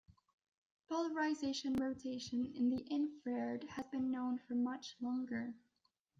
Polarization rotation in the infrared has been known for much longer.